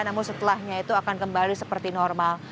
namun setelahnya itu akan kembali seperti normal